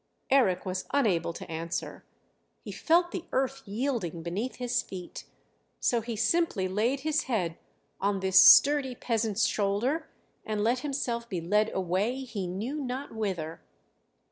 Eric was unable to answer; he felt the earth yielding beneath his feet; so he simply laid his head on this sturdy peasant's shoulder and let himself be led away, he knew not whither.